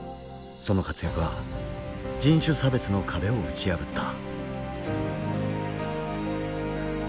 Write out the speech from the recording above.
その活躍は人種差別の壁を打ち破った。